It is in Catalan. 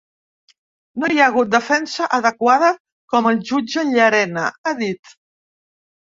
No hi ha hagut defensa adequada contra el jutge Llarena, ha dit.